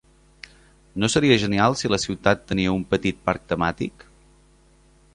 No seria genial si la ciutat tenia un petit parc temàtic?